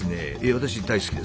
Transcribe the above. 私大好きです。